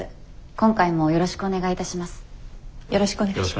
今回もよろしくお願いいたします。